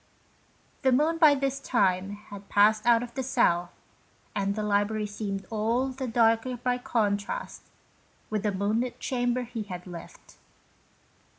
The moon, by this time, had passed out of the south, and the library seemed all the darker 23 (JHOST TALES. by contrast with the moonlit chamber he had left.